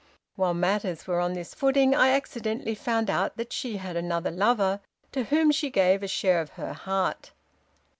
While matters were on this footing I accidentally found out that she had another lover to whom she gave a share of her heart.